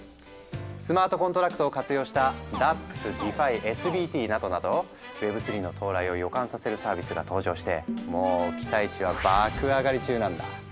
スマートコントラクトを活用したＤａｐｐｓＤｅＦｉＳＢＴなどなどＷｅｂ３の到来を予感させるサービスが登場してもう期待値は爆上がり中なんだ。